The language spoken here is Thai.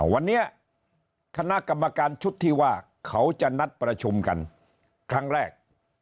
วันนี้คณะกรรมการชุดที่ว่าเขาจะนัดประชุมกันครั้งแรก